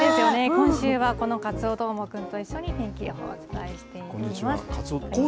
今週は、このカツオどーもくんと一緒に、天気予報、お伝えしていきます。